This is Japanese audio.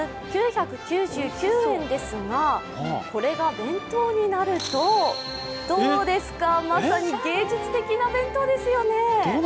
１００ｇ９９９円ですが、これが弁当になると、どうですか、まさに芸術的な弁当ですよね。